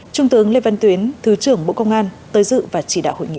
trung tướng lê văn tuyến thứ trưởng bộ công an tới dự và chỉ đạo hội nghị